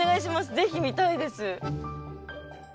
ぜひ見たいです。